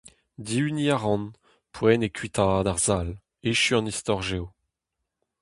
Dihuniñ a ran, poent eo kuitaat ar sal, echu an istor-geo.